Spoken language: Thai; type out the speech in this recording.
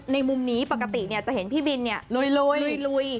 มุมนี้ปกติจะเห็นพี่บินลุย